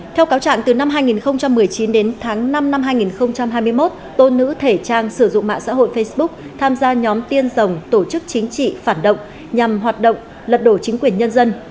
theo cáo trạng từ năm hai nghìn một mươi chín đến tháng năm năm hai nghìn hai mươi một tôn nữ thể trang sử dụng mạng xã hội facebook tham gia nhóm tiên dòng tổ chức chính trị phản động nhằm hoạt động lật đổ chính quyền nhân dân